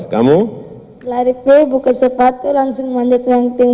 lari pu buka sepatu langsung manjat yang tinggi